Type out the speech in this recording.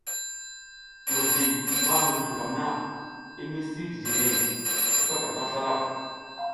Mizli ma hindrikam na i misi jiji hey, sipaka tan slalak.